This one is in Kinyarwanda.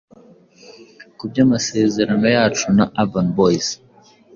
ku by’amasezerano yacu na urban boyz